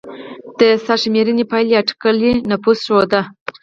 د سرشمېرنې پایلې اټکلي نفوس ښوده.